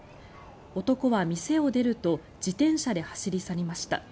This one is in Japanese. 男は店を出ると自転車で走り去りました。